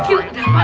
gila ada apaan